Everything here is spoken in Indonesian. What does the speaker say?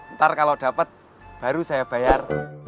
ntar kalau dapat baru saya bayar